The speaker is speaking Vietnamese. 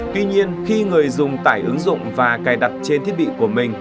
tuy nhiên khi người dùng tải ứng dụng và cài đặt trên thiết bị của mình